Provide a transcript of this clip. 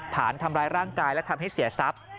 ฐานทำร้ายร่างกายและทำให้เสียทรัพย์